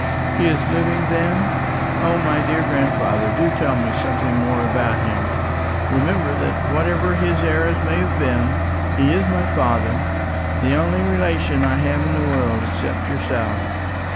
"He is living, then? O, my dear grandfather, do tell me something more about him. Remember that whatever his errors may have been, he is my father the only relation I have in the world except yourself."